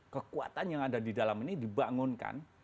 kekuatan yang ada di dalam ini dibangunkan